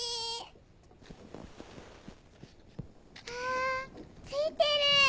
あついてる。